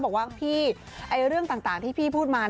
บอกว่าพี่เรื่องต่างที่พี่พูดมา